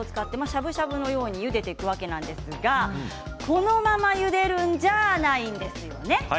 しゃぶしゃぶのようにゆでていくわけですがこのままゆでるんじゃないですね。